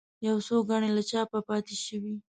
یو څو ګڼې له چاپه پاتې شوې.